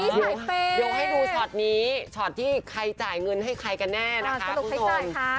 อุ้ยหายเปย์เดี๋ยวให้ดูชอตนี้ชอตที่ใครจ่ายเงินให้ใครกันแน่นะคะคุณหนูอ่าสนุกใครจ่ายค้า